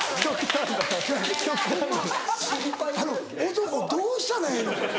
男どうしたらええの？